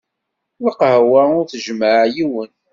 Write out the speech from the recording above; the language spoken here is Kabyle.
Lqahwa ur tjemmeε yiwen.